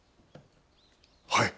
はい。